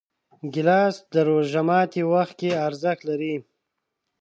ګیلاس د روژه ماتي وخت کې ارزښت لري.